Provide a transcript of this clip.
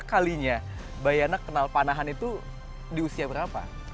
kalinya mbak yana kenal panahan itu di usia berapa